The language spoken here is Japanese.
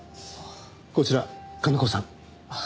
こちら金子さん。